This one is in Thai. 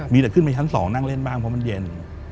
มีแต่ขึ้นไปชั้น๒นั่งเล่นบ้างเพราะมันเย็น